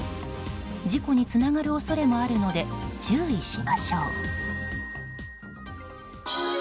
事故につながる恐れもあるので注意しましょう。